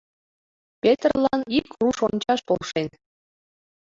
Петрлан ик руш ончаш полшен.